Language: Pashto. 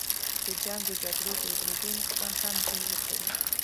د جنګ و جګړو د اودرېدو نقصان هم دوی ورکوي.